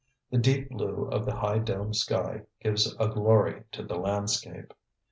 The deep blue of the high domed sky gives a glory to the landscape.